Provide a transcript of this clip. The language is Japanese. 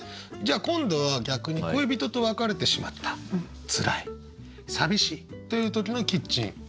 じゃあ今度は逆に恋人と別れてしまったつらい寂しいという時のキッチン。